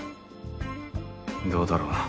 どうだろうな？